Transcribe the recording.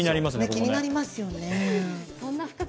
気になりますよね。